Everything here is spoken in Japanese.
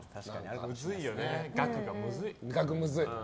額がむずい。